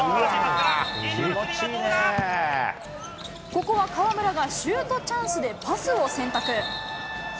ここは河村がシュートチャンスでパスを選択。